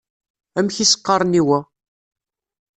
Amek i s-qqaren i wa?